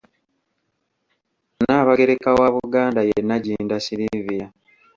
Nnaabagereka wa Buganda ye Nagginda Sylvia.